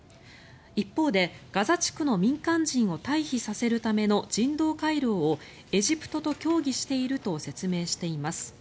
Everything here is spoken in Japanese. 一方でガザ地区の民間人を退避させるための人道回廊をエジプトと協議していると説明しています。